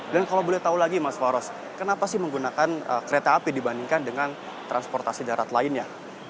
dan kalau boleh tahu lagi mas faros kenapa sih menggunakan kereta api dibandingkan dengan transportasi darat lainnya